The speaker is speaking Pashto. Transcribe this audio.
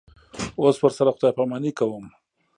اوس ورسره خدای پاماني کوم.